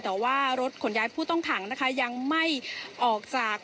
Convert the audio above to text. แต่ว่ารถขนย้ายผู้ต้องขังนะคะยังไม่ออกจาก